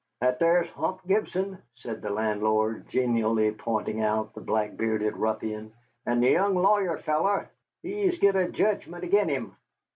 "That thar's Hump Gibson," said the landlord, genially pointing out the black bearded ruffian, "and the young lawyer feller hez git a jedgment ag'in him.